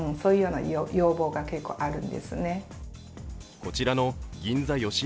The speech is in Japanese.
こちらの銀座よしえ